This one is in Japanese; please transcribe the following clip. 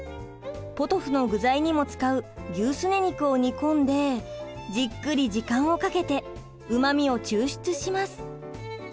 ポトフの具材にも使う牛すね肉を煮込んでじっくり時間をかけてうまみを抽出します。